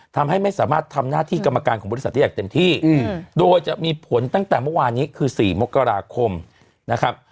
ทำให้ไม่สามารถทำหน้าที่กรรมการของบริษัทได้อย่างเต็มที่โดยจะมีผลตั้งแต่เมื่อวานนี้คือ๔มกราคมนะครับ